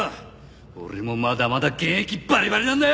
俺もまだまだ現役バリバリなんだよ！